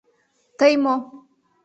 — Тый мо.